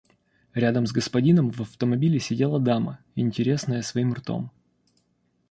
Рядом с господином в автомобиле сидела дама, интересная своим ртом.